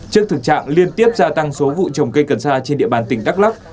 trước thực trạng liên tiếp gia tăng số vụ trồng cây cần xa trên địa bàn tỉnh đắk lắk